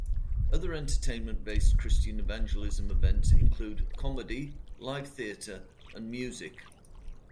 Other entertainment-based Christian evangelism events include comedy, live theater and music.